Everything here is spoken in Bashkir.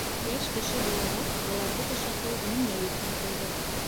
Йәш кеше булараҡ, быларҙы бушатыу миңә йөкмәтелде.